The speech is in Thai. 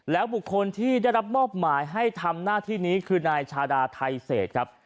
บุคคลที่ได้รับมอบหมายให้ทำหน้าที่นี้คือนายชาดาไทเศษครับ